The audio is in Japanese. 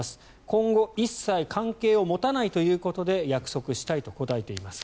今後、一切関係を持たないということで約束したいと答えています。